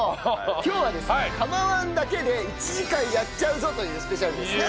今日はですね釜−１だけで１時間やっちゃうぞというスペシャルですね。